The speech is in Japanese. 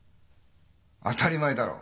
当たり前だろ。